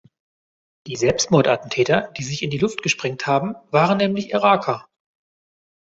Die Selbstmordattentäter, die sich in die Luft gesprengt haben, waren nämlich Iraker.